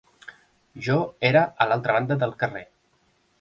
Jo era a l'altra banda del carrer